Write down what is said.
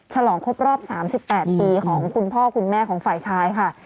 ฉลองครบรอบ๓๘ปีของคุณพ่อคุณแม่ของฝ่ายชายค่ะ